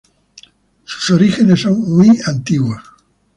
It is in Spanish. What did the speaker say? Sus orígenes son muy antiguos.